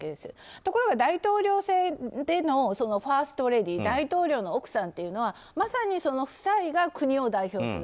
ところが大統領選でのファーストレディー大統領の奥さんというのはまさに夫妻が国を代表する。